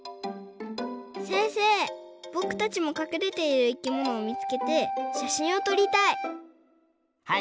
せんせいぼくたちもかくれている生きものをみつけてしゃしんをとりたい。